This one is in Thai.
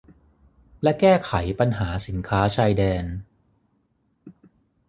และแก้ไขปัญหาสินค้าชายแดน